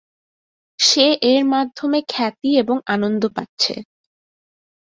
সে এর মাধ্যমে খ্যাতি এবং আনন্দ পাচ্ছে।